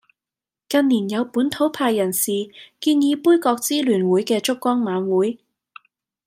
近年有本土派人士建議杯葛支聯會嘅燭光晚會